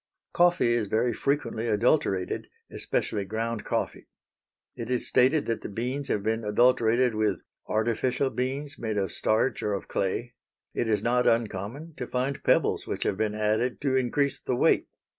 Coffee is very frequently adulterated, especially ground coffee. It is stated that the beans have been adulterated with artificial beans made of starch or of clay. It is not uncommon to find pebbles which have been added to increase the weight.